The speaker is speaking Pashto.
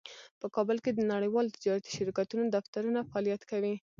په کابل کې د نړیوالو تجارتي شرکتونو دفترونه فعالیت کوي